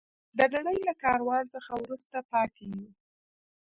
د نړۍ له کاروان څخه وروسته پاتې یو.